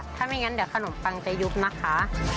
ถ้าไม่งั้นเดี๋ยวขนมปังจะยุบนะคะ